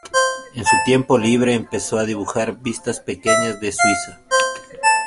En su tiempo libre empezó a dibujar vistas pequeñas de Suiza.